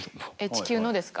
地球のですか？